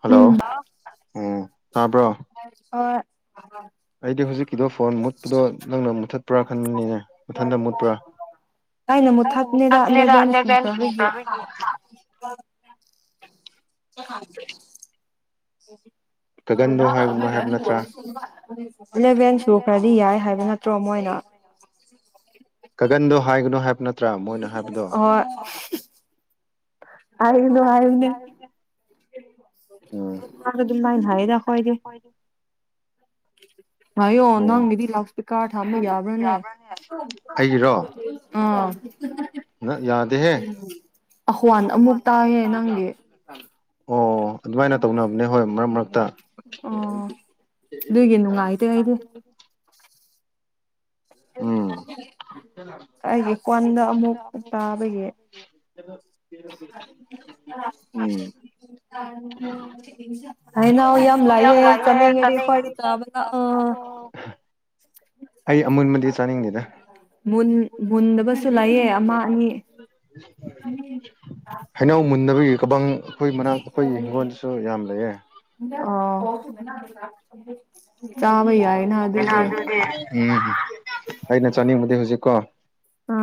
Hello ꯎꯝ ꯇꯥꯕ꯭ꯔꯣ ꯑꯩꯗꯤ ꯍꯧꯖꯤꯛꯀꯤꯗꯣ ꯐꯣꯟ ꯃꯨꯠꯄꯗꯣ ꯅꯪꯅ ꯃꯨꯠꯊꯠꯄ꯭ꯔꯥ ꯈꯟꯕꯅꯤꯅꯦ ꯃꯊꯟꯇ ꯃꯨꯠꯄ꯭ꯔꯥ ꯍ [unintelligible] ꯑꯣ ꯏꯂꯦꯚꯦꯟꯁꯨꯨ ꯈꯔꯗꯤ ꯌꯥꯏ ꯍꯥꯏꯕ ꯅꯠꯇ꯭ꯔꯣ ꯃꯣꯏꯅ ꯑꯣ ꯍꯥꯏꯒꯅꯨ ꯍꯥꯏꯌꯨꯅꯦ ꯑꯗꯨꯃꯥꯏ ꯑꯗꯨꯃꯥꯢꯅ ꯍꯥꯏꯑꯗ ꯈꯣꯏꯗꯤ ꯑꯌꯣ ꯅꯪꯒꯤꯗꯤ ꯂꯥꯎꯠꯢꯁꯄꯤꯀꯔ ꯊꯥꯕ ꯌꯥꯕ꯭ꯔꯅꯦ ꯑ ꯅ ꯌꯥꯗꯦ ꯍꯦ ꯑꯣ ꯑꯗꯨꯒꯤ ꯅꯨꯡꯉꯥꯏꯗꯦ ꯑꯩꯗꯤ ꯑꯩꯒꯤ ꯀꯣꯟꯗꯣ ꯑꯃꯨꯛ ꯇꯥꯕꯒꯤ ꯑꯗꯥ [unintelligible] [unintelligible] [unintelligible] ꯍꯩꯅꯧ ꯌꯥꯝ ꯂꯩꯌꯦ ꯆꯥꯅꯤꯡꯉꯗꯤ ꯈꯣꯏꯗ ꯆꯥꯕꯥ ꯂꯥꯛ ꯑꯣ꯫ [unintelligible] ꯃꯨꯠ ꯃꯨꯟꯗꯕꯁꯨ ꯂꯩ ꯌꯦ ꯑꯃ ꯑꯅꯤ꯫ [unintelligible] ꯑꯩꯈꯣꯏ ꯃꯅꯥꯛ ꯑꯩꯈꯣꯏꯒꯤ ꯍꯤꯡꯒꯣꯜꯁꯨ ꯌꯥꯝ ꯂꯩꯌꯦ꯫ ꯑꯣ꯫ ꯎꯝ ꯑꯩꯅ ꯆꯥꯅꯤꯡꯕꯗꯤ ꯍꯧꯖꯤꯛꯀꯣ ꯑ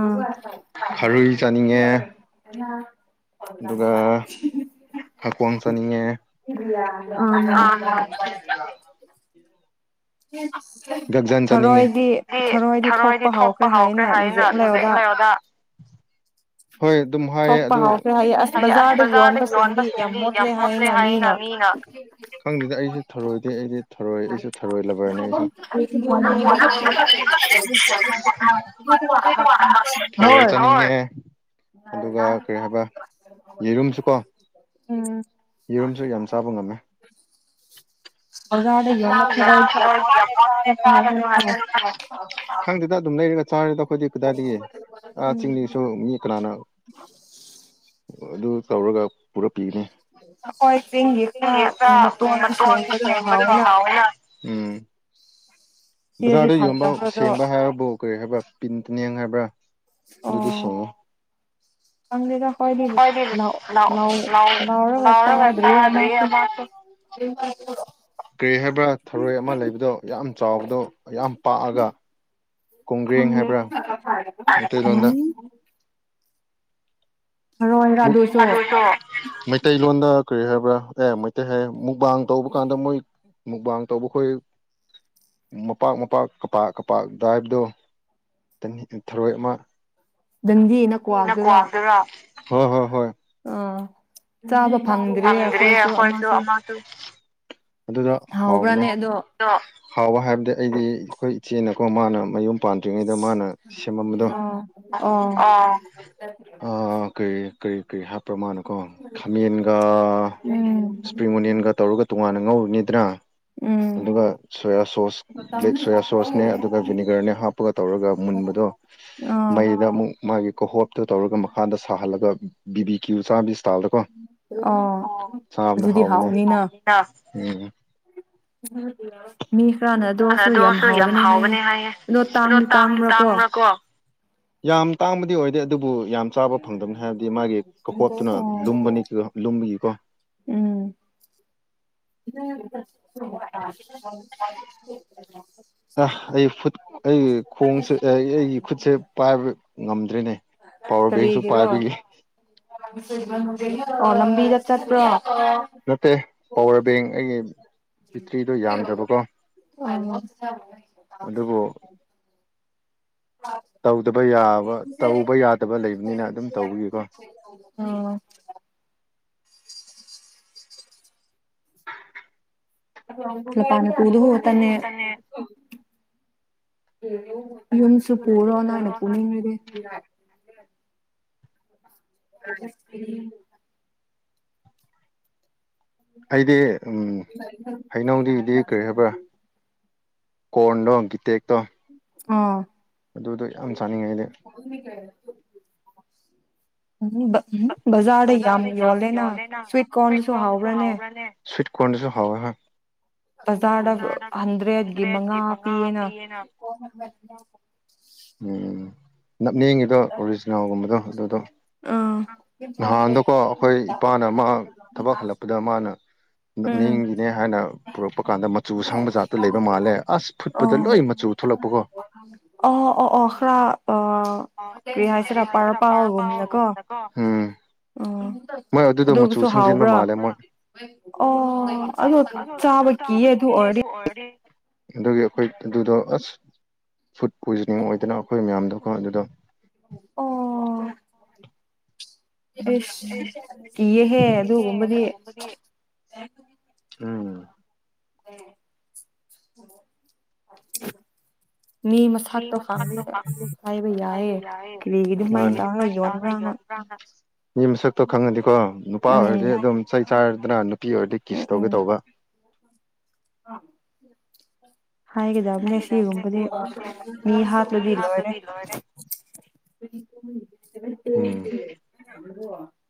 ꯑ [unintelligible] ꯆꯥꯅꯤꯡꯉ ꯊꯔꯣꯏꯗꯤ ꯊꯣꯛꯄ ꯍꯥꯎꯈ꯭ꯔꯦ ꯍꯥꯏꯅ ꯍꯧꯖꯤꯛ ꯂꯩꯔꯗ ꯍꯣꯏ ꯑꯗꯨꯝ ꯍꯥꯏꯌꯦ ꯑꯗꯨ ꯕꯥꯖꯥꯔ ꯗ ꯌꯣꯟꯕꯥ ꯁꯤꯡꯗꯤ ꯌꯥꯝ ꯃꯣꯠꯂꯦ ꯍꯥꯏꯌꯦꯅ ꯃꯤꯅꯥ ꯈꯪꯗꯗ ꯑꯩꯁꯨ ꯊꯔꯣꯏꯗ ꯑꯩꯗꯤ ꯊꯔꯣꯏ ꯑꯩꯁꯨ ꯊꯔꯣꯏ ꯂꯔꯅꯦ ꯑꯩꯁꯨ [unintelligible] ꯊꯔꯣꯏ ꯆꯥꯅꯤꯡꯉꯦ ꯑꯗꯨꯒ ꯀꯔꯤ ꯍꯥꯏꯕ ꯌꯦꯔꯨꯝꯁꯨꯀꯣ ꯌꯦꯔꯨꯝꯁꯨ ꯌꯥꯝ ꯆꯥꯕ ꯉꯝꯃꯦ꯫ [unintelligible] ꯈꯪꯗꯦꯗ ꯑꯗꯨꯝ ꯂꯩꯔꯒ [unintelligible] ꯑꯩꯈꯣꯏꯗꯤ ꯀꯗꯥꯏꯗꯒꯤ ꯑꯥ ꯆꯤꯡꯃꯤꯁꯨ ꯃꯤ ꯀꯅꯥꯅꯣ? ꯑꯗꯨ ꯇꯧꯔꯒ ꯑ ꯍꯣꯏ ꯆꯤꯡꯒꯤ ꯈꯔ ꯎꯝ ꯃꯇꯣꯟ ꯁꯦꯡꯕ ꯗꯣ ꯍꯥꯎ ꯋꯤꯅꯥ ꯎꯝ꯫ ꯕꯖꯥꯔꯗ ꯌꯣꯟꯕ ꯁꯦꯡꯕ ꯍꯥꯏꯕꯨ ꯀꯔꯤ ꯍꯥꯏꯕ꯭ꯔ ꯄꯤꯟ ꯇꯅ ꯍꯥꯏꯕ ꯕ꯭ꯔ ꯑꯗꯨꯗꯤ ꯁꯤꯡꯉꯦ꯫ ꯈꯣꯏꯗꯤ ꯂꯧ ꯂꯧ ꯂꯧꯔꯒ ꯆꯗꯔꯤ ꯑꯃꯁꯨ꯫ [unintelligible] ꯒ꯭ꯔꯦ ꯍꯥꯏꯕ꯭ꯔꯥ ꯊꯔꯣꯏ ꯑꯃ ꯂꯩꯕꯗꯣ ꯌꯥꯝ ꯆꯥꯎꯕꯗꯣ ꯌꯥꯝ ꯄꯥꯛꯑꯒ ꯀꯣꯡꯒ꯭ꯔꯦꯡ ꯍꯥꯏꯕ꯭ꯔꯥ ꯃꯩꯇꯩꯂꯣꯟꯗ꯫ ꯊꯥꯔꯣꯏꯔ ꯑꯗꯨꯁꯨ? ꯂꯣꯟꯗ ꯀꯔꯤ ꯍꯥꯏꯕ꯭ꯔꯥ ꯑꯦ ꯃ ꯍꯥꯏ ꯃꯨꯛꯕꯥꯥꯡ ꯇꯧꯕ ꯀꯥꯟꯗ ꯃꯣꯏ ꯃꯨꯛꯕꯥꯡ ꯇꯧꯕꯈꯣꯏ ꯃꯄꯥꯛ ꯃꯄꯥꯛ ꯀꯄꯥꯛ ꯀꯄꯥꯛ ꯗꯥꯏꯕꯗꯣ ꯊꯔꯣꯏ ꯑꯃ ꯅꯪꯗꯤ ꯅ ꯀ꯭ꯋꯥꯗꯨꯔꯣ ꯍꯣꯏ ꯍꯣꯏ ꯍꯣꯏ ꯑꫭ ꯆꯥꯥꯕ ꯐꯪꯗ꯭ꯔꯤ ꯑꯩꯈꯣꯏꯁꯨ ꯑꯃꯁꯨ ꯑꯗꯨꯗ ꯍꯥꯎꯕꯅꯦ ꯍꯥꯎꯕ ꯍꯥꯏꯕꯗꯤ ꯑꯩꯗꯤ ꯑꯩꯈꯣꯏ ꯏꯆꯦꯅꯀꯣ ꯃꯥꯅ ꯃꯌꯨꯝ ꯄꯥꯟꯗ꯭ꯔꯤꯉꯩꯗ ꯗ ꯃꯥꯅ ꯁꯦꯝꯃꯝꯕꯗꯣ ꯑ ꯀꯔꯤ ꯀꯔꯤ ꯀ꯭ꯔꯤ ꯍꯥꯞꯄ꯭ꯔ ꯃꯥꯅ ꯀꯣ ꯌꯦꯟꯒ ꯁ꯭ꯄꯔꯤꯡ ꯑꫭꯅꯤꯌꯟꯒ ꯇꯧ ꯇꯧꯔꯒ ꯇꯣꯉꯥꯟꯅ ꯉꯧꯔꯅꯤꯗꯅ ꯑꯗꯨꯒ ꯁꯣꯌꯥ ꯁꯣꯁ ꯕ꯭ꯂꯦꯛ ꯁꯣꯌꯥ ꯁꯣꯁꯅꯦ ꯑꯗꯨꯒ ꯚꯤꯅꯤꯒꯔꯅꯦ ꯍꯥꯞꯄꯒ ꯇꯧꯔꯒ ꯃꯨꯟꯕꯗꯣ ꯃꯩꯗ ꯑꯃꯨꯛ ꯃꯥꯒꯤ ꯀꯣꯍꯣꯞꯇ ꯇꯧꯔꯒ ꯃꯈꯥꯗ ꯁꯥꯍꯜꯂꯒ ꯕꯤꯕꯤ ꯀꯤꯎ ꯆꯥꯕꯤ ꯁ꯭ꯇꯥꯏꯜꯗ ꯀꫭ ꯆꯥꯕꯗ ꯍꯥꯎꯕꯅꯦ ꯎꯝ ꯎꯝ ꯃꯤ ꯈꯔꯅ ꯑꯗꯣꯁꯨ ꯌꯥꯝ ꯍꯥꯎꯕꯅꯦ ꯍꯥꯏꯌꯦ ꯀꯩꯅꯣ ꯇꯥꯡꯗꯤ ꯇꯥꯡꯕ꯭ꯔꯥ ꯀꯣ ꯌꯥꯝ ꯇꯥꯡꯕꯗꯤ ꯑꯣꯏꯗꯦ ꯑꯗꯨꯕꯨ ꯌꯥꯝ ꯆꯥꯕ ꯐꯪꯗꯝꯕꯅꯤ ꯍꯥꯏꯕꯗꯤ ꯃꯥꯒꯤ ꯀꯈꯣꯇꯨꯅ ꯂꯨꯝꯕꯅꯤ ꯂꯨꯝꯕꯒꯤꯀꯣ [inaudible] [inaudible] ꯑ ꯑꯩ ꯈꯨꯠ ꯑꯩ ꯈꯣꯡꯁꯦ ꯑꯩ ꯑꯩꯒꯤ ꯈꯨꯠꯁꯦ ꯄꯥꯏꯕ ꯉꯝꯗ꯭ꯔꯤꯅꯦ ꯄꯋꯥꯔ ꯕꯦꯡꯁꯨ ꯄꯥꯏꯕꯒꯤ ꯑꯣ ꯂꯝꯕꯤꯗ ꯆꯠꯄ꯭ꯔꯣ ꯕꯦꯡ ꯑꯩꯒꯤ ꯕꯤꯇ꯭ꯔꯤꯗꯣ ꯌꯥꯝꯗ꯭ꯔꯕꯀꯣ ꯑꯗꯨꯕꯨ ꯇꯧꯗꯕ ꯌꯥꯕ ꯇꯧꯕ ꯌꯥꯗꯕ ꯂꯩꯕꯅꯤꯅ ꯑꯗꯨꯝ ꯇꯧꯕꯒꯤꯀꯣ [inaudible] [inaudible] [unintelligible] [inaudible] ꯌꯨꯟꯁꯨ ꯄꯔꯣꯅ ꯅ ꯄꯨꯅꯤꯡꯔꯗꯤ [unintelligible] ꯑꯩꯗꯤ ꯍꯩꯅꯧꯗꯤꯗꯤ ꯀꯔꯤ ꯍꯥꯏꯕ꯭ꯔꯥ ꯀꯣꯟꯗꯣ [unintelligible] ꯇꯦꯛꯇꯣ ꯑꯥ ꯑꯗꯨꯗꯣ ꯌꯥꯝ ꯆꯥꯅꯤꯡꯉꯦ ꯑꯩꯗꯤ ꯎ ꯎꯝ ꯕꯖꯥꯔꯗ ꯌꯥꯝ ꯌꯣꯜꯂꯦꯅ ꯁ꯭ꯋꯤꯠ ꯀꯣꯔꯟꯗꯨꯁꯨ ꯍꯥꯎꯕ꯭ꯔꯅꯦ ꯀꯣꯟꯗꯁꯨ ꯍꯥꯎꯌꯦ ꯍꯣꯢ ꯕꯖꯥꯔꯗ ꯍꯟꯗ꯭ꯔꯦꯠꯀꯤ ꯃꯉꯥ ꯄꯤꯌꯦꯅ ꯅꯞꯅꯤꯡꯉꯤꯗꯣ ꯑꯣꯔꯤꯖꯤꯅꯦꯜꯒꯨꯝꯕꯗꯣ ꯑꯗꯨꯗꯣ ꯅꯍꯥꯟꯗꯣꯀꯣ ꯑꯩꯈꯣꯏ ꯏꯄꯥꯅ ꯃꯥ ꯊꯕꯛ ꯍꯜꯂꯛꯄꯗ ꯃꯥꯅ ꯅꯞꯅꯤꯡꯒꯤꯅꯦ ꯍꯥꯏꯅ ꯄꯨꯔꯛꯄ ꯀꯥꯟꯗ ꯃꯆꯨ ꯁꯪꯕ ꯖꯥꯠꯇ ꯂꯩꯕ ꯃꯥꯜꯂꯦ ꯑꯁ ꯐꯨꯠꯄꯗ ꯂꯣꯏ ꯃꯆꯨ ꯊꯣꯛꯂꯛꯄꯀꯣ ꯑꯣ ꯑꯣ ꯑꯣ ꯈꯔ ꯑꯣ ꯀꯔꯤ ꯍꯥꯏꯁꯤꯔꯥ ꯑ ꯄꯔꯄꯥꯥꯜꯒꯨꯝꯅꯀꯣ ꯎꯝ ꯑꯗꯨꯕꯨꯁꯨ ꯍꯥꯎꯕ꯭ꯔꯥ ꯑꯣ ꯑꯗꯨꯗꯣ ꯑꯗꯨꯝ ꯆꯥꯕ ꯀꯤꯌꯦ ꯑꯗꯨ ꯑꯣꯏꯔꯗꯤ ꯑ [unintelligible] ꯑꯗꯨꯒꯤ ꯑꯩꯈꯣꯏ ꯑꯗꯨꯗꯣ ꯑꯁ ꯐꯨꯗ ꯄꯣꯏꯖꯅꯤꯡ ꯑꯣꯏꯗꯅ ꯑꯩꯈꯣꯏ ꯃꯌꯥꯝꯗꯣ ꯑꯩꯈꯣꯏ ꯑꯗꯨꯗ ꯑꯣ ꯑꯦꯁ ꯀꯤꯌꯦꯍꯦ ꯑꯗꯨꯒꯨꯝꯕꯗꯤ ꯎꯝ [unintelligible] ꯃꯤ ꯃꯁꯥꯛꯇꯣ ꯍꯥꯏꯥꯏꯕ ꯌꯥꯏꯌꯦꯦ ꯀꯔꯤꯒꯤꯗꯤ ꯁꯨꯃꯥꯏꯅ ꯇꯧꯔꯒ ꯌꯣꯟꯕ꯭ꯔꯥꯅ ꯃꯤ ꯃꯁꯛꯇꯣ ꯈꯪꯉꯗꯤꯀꯣ ꯅꯨꯄꯥ ꯑꯣꯏꯔꯗꯤ ꯑꯗꯨꯝ ꯆꯩ ꯆꯥꯔꯗꯅ ꯅꯨꯄꯤ ꯑꯣꯏꯔꯗꯤ ꯀꯤꯁ ꯇꯧꯒꯦ ꯇꯧꯕ ꯑꯥ ꯍꯥꯏꯒꯗꯕꯅꯦ ꯁꯤꯒꯨꯝꯕꯗꯤ ꯃꯤ ꯍꯥꯠꯂꯗꯤ ꯂꯣꯏꯔꯦ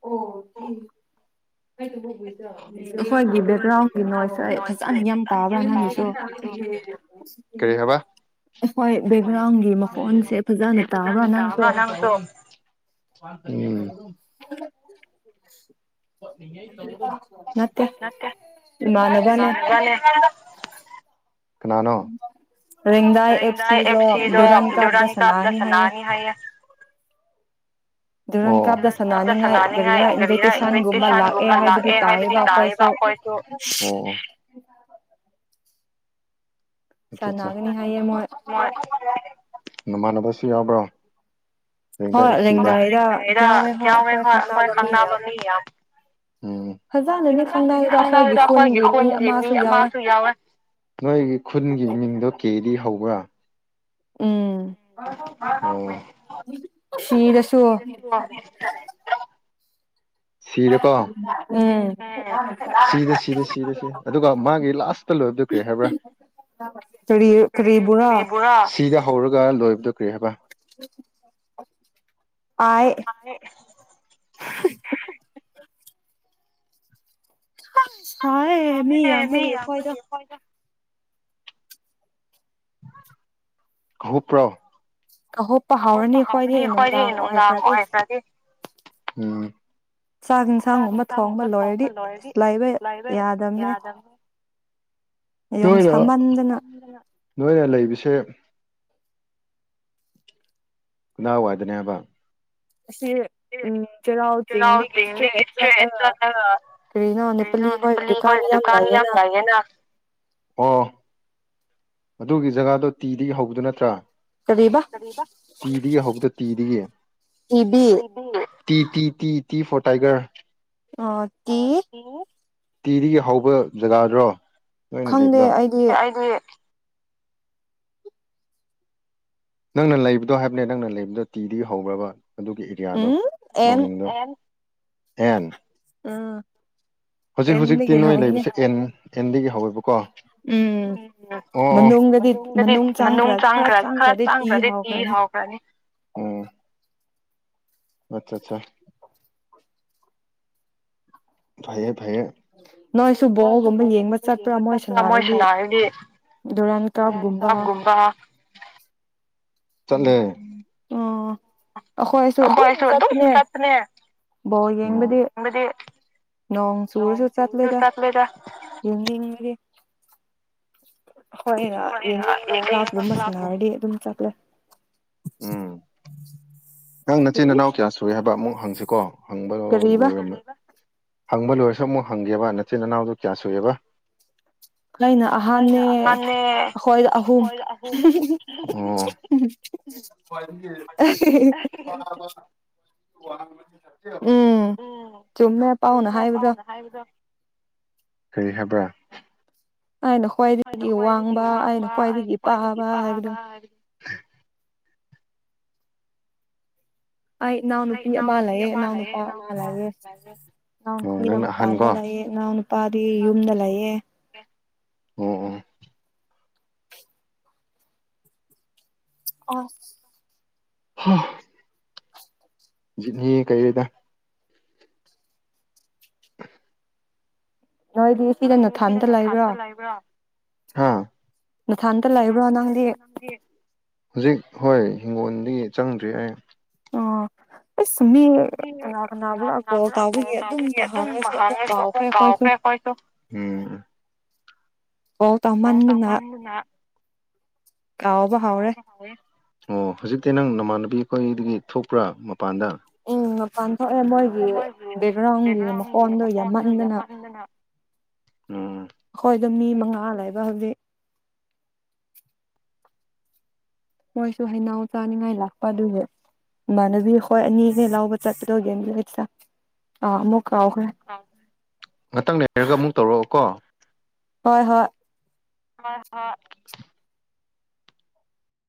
ꯑꯣ [unintelligible] ꯑꯩꯈꯣꯏꯒꯤ ꯕꯦꯛꯒ꯭ꯔꯥꯎꯟꯒꯤ ꯅꯣꯏꯁ ꯐꯖꯅ ꯌꯥꯝ ꯇꯥꯕ꯭ꯔꯥ ꯅꯪꯒꯤꯁꯨ ꯑꯩꯈꯣꯏ ꯕꯦꯛꯒ꯭ꯔꯥꯎꯟꯒꯤ ꯃꯈꯣꯟꯁꯦ ꯐꯖꯅ ꯇꯥꯕ꯭ꯔꯥ ꯅꯪꯁꯨ ꯍ [unintelligible] ꯎ [unintelligible] ꯑꯟꯏꯟꯇꯦꯜꯂꯤꯖꯦꯕꯜ ꯅꯠꯇꯦ ꯏꯃꯥꯟꯅꯕꯅꯦ ꯀꯅꯥꯅꯣ ꯔꯤꯡꯗꯥꯏ ꯑꯦꯐꯁ ꯊ꯭ꯔꯤꯗꯣ ꯗꯨꯔꯥꯟꯀꯥꯞꯗꯁ ꯁꯅꯥꯅꯤ ꯍꯥꯏꯌꯦ ꯑꯣ ꯀꯥꯞ ꯁꯥꯟꯅꯅꯤꯡꯉꯥꯏ ꯀꯔꯤꯔ ꯏꯟꯚꯤꯇꯦꯁꯟꯒꯨꯝꯕ ꯂꯥꯛꯑꯦ ꯍꯥꯏꯕꯗꯤ ꯇꯥꯏꯑꯦꯕ ꯑꯩꯈꯣꯏꯁꯨ ꯎꯝ ꯁꯥꯟꯅꯥꯒꯅꯤ ꯍꯥꯏꯌꯦ ꯃꯣꯏ ꯅꯃꯥꯟꯅꯕꯁꯨ ꯌꯥꯎꯕ꯭ꯔꯣ ꯔꯤꯡꯗꯥꯏ ꯑꯦꯐꯁ ꯊꯔꯤꯗ ꯍꯣꯏ ꯔꯤꯡꯗꯥꯏꯗ ꯌꯥꯎꯌꯦ ꯍꯣꯏ ꯑꯈꯣꯏ ꯈꯪꯅꯕ ꯃꯤ ꯌꯥꯎ ꯎꯝ ꯐꯖꯅꯗꯤ ꯈꯪꯅꯗꯦꯗ ꯑꯩꯈꯣꯏꯒꯤ ꯈꯨꯟꯒꯤ ꯃꯤ ꯑꯃꯁꯨ ꯌꯥꯎꯋꯦ ꯅꯣꯏꯒꯤ ꯃꯤꯡꯗꯣ ꯀꯦꯔꯤ ꯍꯧꯕ꯭ꯔꯥ ꯑꯝꯝ ꯑꯟꯏꯟꯇꯦꯜꯂꯤꯖꯦꯕꯜ ꯁꯤꯗ ꯑꯟꯏꯟꯇꯦꯜꯂꯤꯖꯦꯕꯜ ꯁꯤꯔꯦꯀꯣ ꯎꯝ ꯁꯤꯔꯦ ꯁꯤꯔꯦ ꯁꯤꯔꯦ ꯁꯤꯔꯦ ꯑꯗꯨꯒ ꯃꯥꯒꯤ ꯂꯥꯁꯇ ꯂꯣꯏꯕꯗꯨ ꯀꯔꯤ ꯍꯥꯏꯕ꯭ꯔꯥ ꯀꯔꯤꯕꯨꯔꯥ ꯍꯧꯔꯒ ꯂꯣꯏꯕꯗꯣ ꯀ꯭ꯔꯤ ꯍꯥꯏꯕ ꯑꯟꯑꯣꯗꯤꯕꯜ ꯄꯥꯏ ꯑ ꯍꯩꯡ ꯁꯥꯏꯌꯦ ꯃꯤ ꯌꯥꯝꯕꯒꯦ ꯑꯩꯈꯣꯏꯗꯣ ꯑꯍꯨꯞ ꯄ꯭ꯔꯣ ꯑꯍꯨꯞꯄ ꯍꯥꯎꯔꯅꯤ ꯑꯩꯈꯣꯏꯗꯤ ꯅꯨꯡꯗꯥꯡ ꯑꯣꯏꯒ꯭ꯔꯗꯤ ꯑꯝ ꯆꯥꯛ ꯌꯦꯟꯁꯥꯡꯒꯨꯝꯕ ꯊꯣꯡꯕ ꯂꯣꯏꯔꯗꯤ ꯂꯩꯥꯕ ꯌꯥꯗꯝꯅꯦ ꯌꯥꯝ ꯁꯥꯝꯃꯟꯗꯅ ꯅꯣꯏꯅ ꯂꯩꯕꯁꯦ ꯀꯗꯥꯋꯥꯏꯗꯅꯦ ꯍꯥꯏꯕ ꯑꯁꯤ ꯎꯝ ꯆꯩꯔꯥꯎ ꯆꯤꯡꯗꯒꯤ ꯏꯁꯇ꯭ꯔꯦꯠ ꯆꯠꯂꯒ ꯀꯔꯤꯒꯤꯅꯣ ꯅꯦꯄꯂꯤ ꯈꯣꯏꯒꯤ ꯗꯨꯀꯥꯟ ꯌꯥꯝ ꯂꯩꯌꯦꯅꯥ ꯑꯗꯨꯒꯤ ꯖꯒꯥꯗꯣ ꯇꯤꯗꯒꯤ ꯍꯧꯕꯗꯨ ꯅꯠꯇ꯭ꯔꯥ ꯀꯔꯤꯕ ꯇꯤꯗꯒꯤ ꯍꯧꯕꯗꯨ ꯇꯤꯗꯒꯤ ꯇꯤꯕꯤ T T T T for tiger ꯑꯣ ꯇꯤ ꯇꯤꯗꯒꯤ ꯍꯧꯕ ꯖꯒꯥꯗ꯭ꯔꯣ ꯅꯪꯅ ꯂꯩꯕꯗꯣ ꯅꯪꯅ ꯂꯩꯕꯗꯣ ꯍꯥꯏꯕꯅꯦ ꯅꯪꯅ ꯂꯩꯕꯗꯣ ꯇꯤꯗꯒꯤ ꯍꯧꯕ꯭ꯔꯣ ꯑꯗꯨꯒꯤ ꯑꯦꯔꯤꯌꯥꯗꯣ ꯃꯃꯤꯡꯗꯣ ꯑꯦꯟ ꯑꯦꯟ ꯍꯧꯖꯤꯛ ꯍꯧꯖꯤꯛꯇꯤ ꯅꯣꯏ ꯂꯩꯕꯁꯦ ꯑꯦꯟ ꯑꯦꯟꯗꯒꯤ ꯍꯧꯋꯦꯕꯀꯣ ꯑꯣ ꯑꯣ ꯃꯅꯨꯡꯗꯗꯤ ꯃꯅꯨꯡ ꯆꯪꯒ꯭ꯔ ꯈꯔ ꯍ ꯀꯗꯦ ꯇ ꯍꯥꯎꯒꯅꯤ ꯑꯆꯥ ꯑꯆꯥ ꯃꯣꯏꯁꯨ ꯕꯒꯨꯝꯕ ꯌꯦꯡꯕ ꯆ ꯃꯣꯏꯁꯤꯅ ꯍꯥꯏꯕꯗꯤ ꯖꯥꯇꯥꯞꯒꯨꯝꯕ ꯆꯗꯦ ꯑ‌ꯣ ꯑꯩꯈꯣꯏꯁꯨ ꯑꯗꯨꯝ ꯆꯠꯄꯅꯦ ꯕꯣ ꯌꯦꯡꯕꯗꯤ ꯅꯣꯡ ꯆꯨꯔꯁꯨ ꯆꯠꯂꯦꯗ ꯌꯦꯡꯅꯤꯡꯉꯗꯤ [inaudible] ꯍꯣꯏ ꯌꯦꯡꯅꯤꯡꯕ ꯀ꯭ꯂꯥꯞꯀꯨꯝꯕ ꯁꯅꯔꯗꯤ ꯑꯗꯨꯝ ꯆꯠꯂꯦ [unintelligible] ꯅꯪ ꯅꯆꯤꯟ ꯏꯅꯥꯎ ꯀꯌꯥ ꯁꯨꯨꯔꯦ ꯍꯥꯏꯕ ꯑꯃꯨꯛ ꯍꯪꯁꯤꯀꯣ ꯍꯪꯕ ꯂꯣꯏꯔꯝꯃꯦ ꯍꯪꯕ ꯂꯣꯏꯔꯁꯨ ꯑꯃꯨꯛ ꯍꯪꯒꯦꯕ ꯅꯆꯤꯟ ꯅꯅꯥꯎꯗꯨ ꯀꯌꯥ ꯁꯨꯏꯑꯦꯕꯥ ꯑꯩꯅ ꯑꯍꯥꯟꯅꯦ ꯑꯩꯈꯣꯏ ꯑꯍꯨꯝ [unintelligible] ꯋꯥ ꯎꯝ ꯆꯨꯝꯃꯦ ꯄꯥꯎꯅꯥ ꯍꯥꯏꯕꯗꯣ ꯑꯩꯅ ꯈ꯭ꯋꯥꯏꯗꯒꯤ ꯋꯥꯡꯕ ꯑꯩꯅ ꯈ꯭ꯋꯥꯏꯗꯒꯤ ꯄꯥꯕ ꯍꯥꯏꯕꯗꯣ ꯑꯩ ꯏꯅꯥꯎ ꯅꯨꯄꯤ ꯑꯃ ꯂꯩꯑ ꯏꯅꯥꯎ ꯅꯨꯄꯥ ꯑꯃ ꯂꯩꯌ‌ꯦ ꯏꯅꯥꯎ ꯅꯨꯄꯤꯗ ꯃꯄꯥꯟꯗ ꯂꯩꯑ ꯏꯅꯥꯎ ꯅꯨꯄꯥꯗꯤ ꯌꯨꯝꯗ ꯂꯩꯑ ꯑꯣ ꯑꯣ ꯍꯥ ꯅꯤ ꯀꯩꯔꯤꯗ ꯅꯊꯗ ꯂꯩꯕ꯭ꯔ‌ꯣ ꯅꯒꯤꯖꯤꯛ ꯍꯣꯏ ꯍꯤꯡꯒꯣꯜꯗꯤ ꯆꯪꯗ꯭ꯔꯤ ꯑꯩ ꯑꯣ ꯑꯁꯨꯝ ꯃꯤ ꯀꯅꯥ ꯀꯅꯥꯕ꯭ꯔꯥ ꯀꯣꯜ ꯇꯥꯎꯕꯒꯤ ꯑꯗꯨꯝ ꯍꯥꯡꯉꯁꯨ ꯑꯃꯨꯛ ꯀꯥꯎꯈ꯭ꯔꯦ ꯑꯩꯈꯣꯏꯁꯨ ꯑꯣ ꯇꯃꯟꯗꯅꯥ ꯑꯣ ꯍꯧꯖꯤꯛꯇꯤ ꯅꯪ ꯅꯃꯥꯟ ꯕꯤꯈꯣꯏꯗꯒꯤ ꯊꯣꯛꯄ꯭ꯔꯥ ꯎꯝ ꯃꯄꯥꯟ ꯊꯣꯛꯑꯦ ꯃꯣꯏꯒꯤ ꯕꯦꯛꯒ꯭ꯔꯥꯎꯟꯒꯤ ꯃꯈꯣꯟꯗꯣ ꯌꯥꯝꯃꯟꯗꯅ ꯑꯩꯈꯣꯏꯗꯣ ꯃꯤ ꯃꯉꯥ ꯂꯩꯕ ꯍꯧꯖꯤꯛ ꯃꯣꯏꯁꯨ ꯍꯩꯅꯎ ꯆꯥꯅꯤꯡꯉꯥꯏ ꯂꯥꯛꯄ ꯑꯗꯨꯒꯤ ꯏꯃꯥꯟꯅꯕꯤ ꯍꯣꯏ ꯑꯅꯤꯈꯩ ꯂꯥꯎꯕ ꯆꯠꯀꯗꯧꯒꯦ ꯂ ꯉꯥꯛꯇꯪ ꯂꯩꯔꯒ ꯑꯃꯨꯛ ꯇꯧꯔꯛꯑꯣꯀꯣ ꯍꯣꯏ ꯍꯣꯏ ꯍ ꯍꯣꯢ